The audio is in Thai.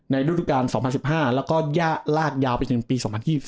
ในสุดการณ์๒๐๑๕แล้วก็เลี่ยงลากยาวไปถึงปี๒๐๒๓